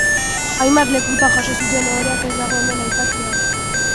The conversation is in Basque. Hainbat lekutan jaso zituen ohoreak ez dago hemen aipatu beharrik.